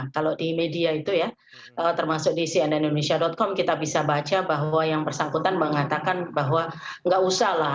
kalau di media itu ya termasuk di cnnindonesia com kita bisa baca bahwa yang bersangkutan mengatakan bahwa nggak usah lah